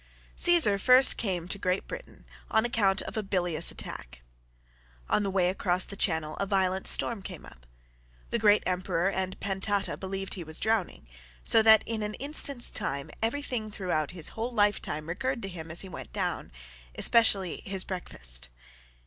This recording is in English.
] Caesar first came to Great Britain on account of a bilious attack. On the way across the channel a violent storm came up. The great emperor and pantata believed he was drowning, so that in an instant's time everything throughout his whole lifetime recurred to him as he went down, especially his breakfast.